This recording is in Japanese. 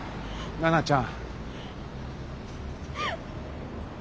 奈々ちゃん。